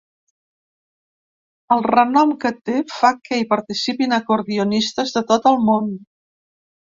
El renom que té fa que hi participin acordionistes de tot el món.